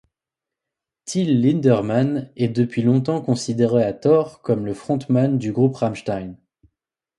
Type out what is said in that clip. Till Lindemann est depuis longtemps considéré à tort comme le frontman du groupe Rammstein.